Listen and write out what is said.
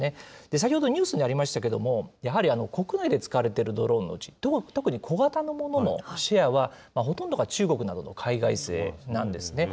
先ほどニュースにありましたけれども、やはり国内で使われているドローンのうち、特に小型のもののシェアは、ほとんどが中国などの海外製なんですね。